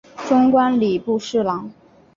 终官礼部侍郎。